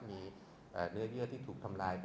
มีเนื้อเยื่อที่ถูกทำลาย